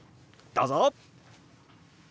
どうぞ！